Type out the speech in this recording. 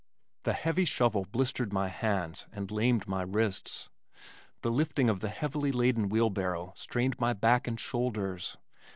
The heavy shovel blistered my hands and lamed my wrists. The lifting of the heavily laden wheelbarrow strained my back and shoulders.